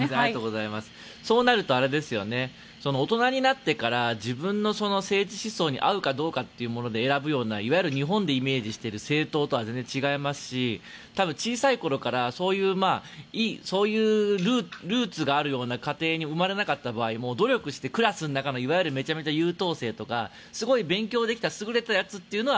そうなると大人になってから自分の政治思想に合うかどうかによって選ぶような、いわゆる日本でイメージする政党とは全然違いますし小さい頃からそういうルーツがあるような家庭に生まれなかった場合努力してクラスの中のいわゆるめちゃくちゃ優等生とかすごい勉強できた優れたやつというのは